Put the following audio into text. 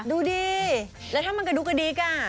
ดูดีแล้วถ้ามันกระดูกระดิกอ่ะ